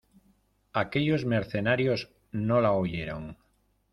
aquellos mercenarios no la oyeron.